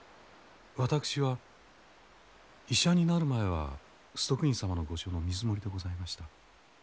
私は医者になる前は崇徳院様の御所の水守りでございました。